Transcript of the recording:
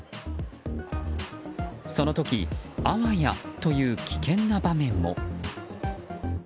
その時、あわやという危険な場面も。